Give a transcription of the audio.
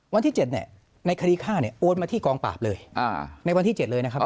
วันที่๗ในคดีฆ่าเนี่ยโอนมาที่กองปราบเลยในวันที่๗เลยนะครับ